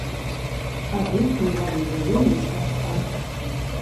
А жыць інваліду вельмі цяжка.